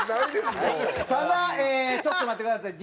ただちょっと待ってください。